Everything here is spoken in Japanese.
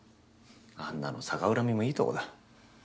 あんなの逆恨みもいいとこだ。